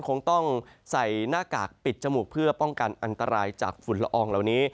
คงต้องใส่หน้ากากปิดจมูกเพื่อป้องกันอันตรายจากฝุ่นละอองเหล่านี้